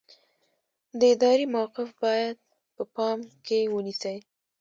د ادارې موقف باید په پام کې ونیسئ.